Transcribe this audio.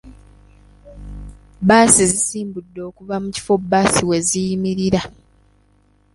Bbaasi zisimbudde okuva mu kifo bbaasi we ziyimirira .